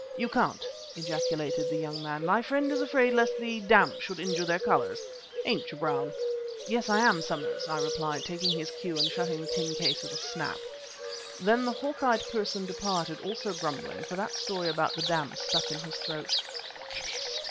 "You can't," ejaculated the young man. "My friend is afraid lest the damp should injure their colours. Ain't you, Brown?" "Yes, I am, Somers," I replied, taking his cue and shutting the tin case with a snap. Then the hawk eyed person departed, also grumbling, for that story about the damp stuck in his throat. "Orchidist!"